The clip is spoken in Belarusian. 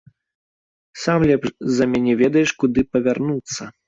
Сам лепш за мяне ведаеш, куды павярнуцца.